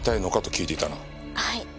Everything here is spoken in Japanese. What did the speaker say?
はい。